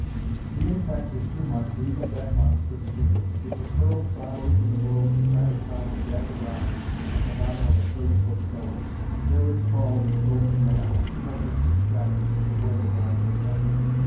The impact was too much for even that monstrous figure. It was hurled bodily from the road to crash upon the jagged rocks at the bottom of a thirty foot gully. There it sprawled in a broken mass, too hopelessly shattered to ever rise again.